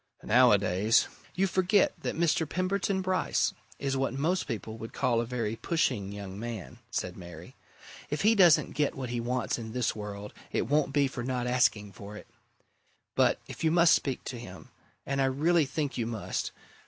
Nowadays " "You forget that Mr. Pemberton Bryce is what most people would call a very pushing young man," said Mary. "If he doesn't get what he wants in this world, it won't be for not asking for it. But if you must speak to him and I really think you must!